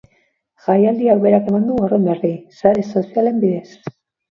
Jaialdiak berak eman du horren berri, sare sozialen bidez.